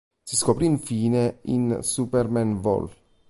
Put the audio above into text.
Si scoprì infine in "Superman" vol.